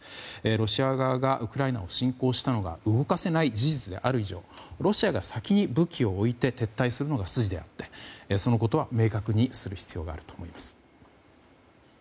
ロシア側がウクライナを侵攻したのが動かせない事実である以上ロシアが先に武器を置いて撤退するのが筋であってそのことは明確にする必要があると思います。